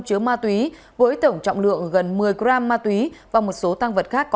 chứa ma túy với tổng trọng lượng gần một mươi gram ma túy và một số tăng vật khác